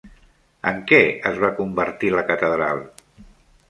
En què es va convertir la catedral?